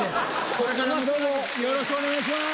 これからもどうぞよろしくお願いします。